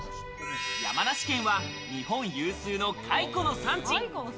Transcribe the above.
山梨県は日本有数の蚕の産地。